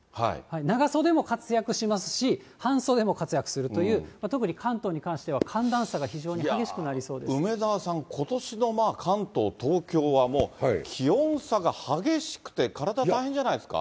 長袖も活躍しますし、半袖も活躍するという、特に関東に関しては寒暖差が非常に激しく梅沢さん、ことしの関東・東京はもう、気温差が激しくて、体大変じゃないですか？